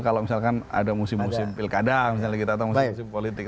kalau misalkan ada musim musim pil kadang misalnya gitu atau musim musim politik